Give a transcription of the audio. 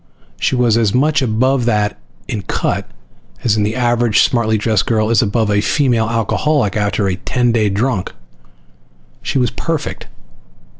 She was as much above that in cut as the average smartly dressed girl is above a female alcoholic after a ten day drunk. She was perfect.